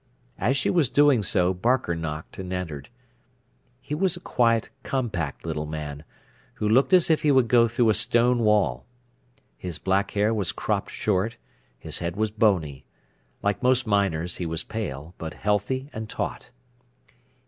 As she was doing so Barker knocked and entered. He was a quiet, compact little man, who looked as if he would go through a stone wall. His black hair was cropped short, his head was bony. Like most miners, he was pale, but healthy and taut.